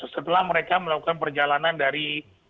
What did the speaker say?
setelah mereka melakukan perjalanan dari